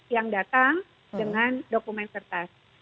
yang datang dengan dokumen serta